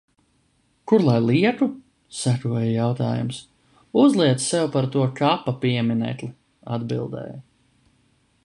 "Kur lai lieku?" sekoja jautājums. "Uzliec sev par to kapa pieminekli," atbildēju.